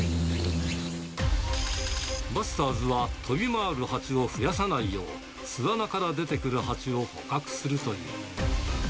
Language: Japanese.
バスターズは飛び回るハチを増やさないよう、巣穴から出てくるハチを捕獲するという。